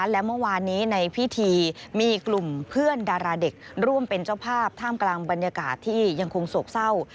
และเมื่อวานนี้ในพิธีมีกลุ่มเพื่อนดาราเด็กร่วมเป็นเจ้าภาพท่ามกลางบรรยากาศที่ยังคงโศกเศร้า